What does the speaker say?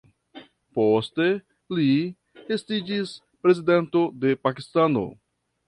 Poste li estiĝis Prezidento de Pakistano.